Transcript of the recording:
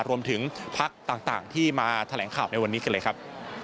รวมถึงภักดิ์ต่างที่มาแถลงข่าวในวันนี้กันเลยครับ